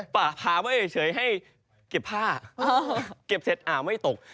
ฟ้าผ่าเฉยให้เก็บผ้าเก็บเสร็จไม่ตก